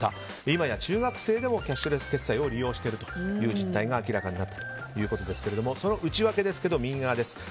今や中学生でもキャッシュレス決済を利用しているという実態が明らかになったということですがその内訳が右側です。